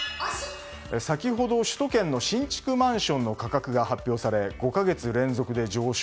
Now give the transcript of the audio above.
先ほど首都圏の新築マンションの価格が発表され５か月連続で上昇。